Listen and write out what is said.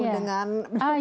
penuh dengan ekspresi